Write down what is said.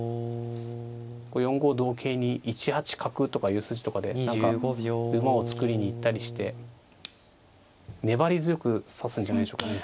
４五同桂に１八角とかいう筋とかで何か馬を作りに行ったりして粘り強く指すんじゃないでしょうかね。